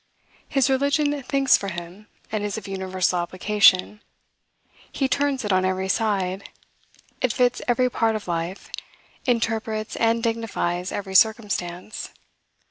His religion thinks for him, and is of universal application. He turns it on every side; it fits every part of life, interprets and dignifies every circumstance.